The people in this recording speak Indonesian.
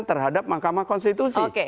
terhadap mahkamah konstitusi